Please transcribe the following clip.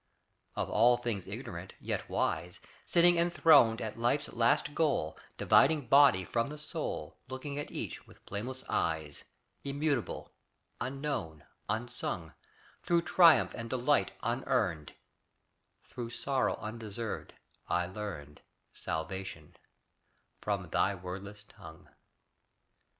Of all things ignorant, yet wise, Sitting enthroned at life's last goal, Dividing body from the soul, Looking at each with flameless eyes. Immutable, unknown, unsung, Through triumph and delight unearned, Through sorrow undeserved, I learned Salvation from thy wordless tongue.